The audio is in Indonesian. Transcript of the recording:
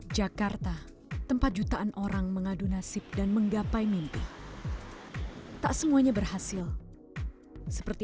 jakarta tempat jutaan orang mengadu nasib dan menggapai mimpi tak semuanya berhasil seperti